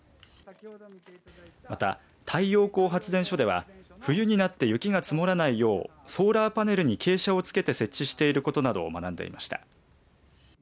また、太陽光発電所では冬になって雪が積もらないようソーラーパネルに傾斜をつけて設置をしていることなどを学んでいました。